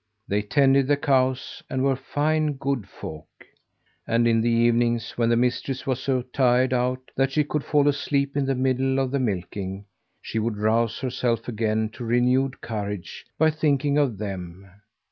They tended the cows, and were fine, good folk. And, in the evenings, when the mistress was so tired out that she could fall asleep in the middle of the milking, she would rouse herself again to renewed courage by thinking of them.